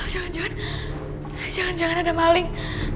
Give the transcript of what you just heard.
jangan jangan ada maling